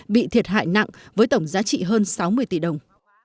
bị thiệt hại nặng với tổng giá trị hơn sáu mươi tỷ đồng